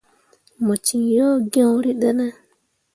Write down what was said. Mo ciŋ yo gyõrîi ɗine.